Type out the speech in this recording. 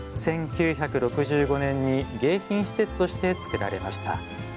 １９６５年に迎賓施設としてつくられました。